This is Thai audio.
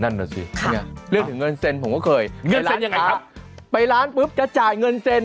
นั่นหน่อยสิเรียกถึงเงินเซ็นผมก็เคยไปร้านครับไปร้านปุ๊บจะจ่ายเงินเซ็น